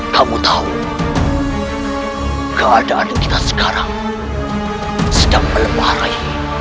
kamu tahu keadaan kita sekarang sedang melemah rai